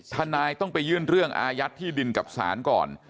ทนายต้องไปยื่นเรื่องอายัดที่ดินกับศาลก่อน